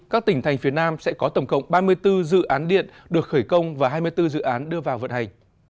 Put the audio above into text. các tỉnh thành phía nam sẽ có tổng cộng ba mươi bốn dự án điện được khởi công và hai mươi bốn dự án đưa vào vận hành